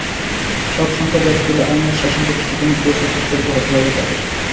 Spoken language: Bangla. সব শঙ্কা ঝেড়ে ফেলে আইনের শাসন প্রতিষ্ঠার জন্য দৃঢ়সংকল্প হতে হবে তাদের।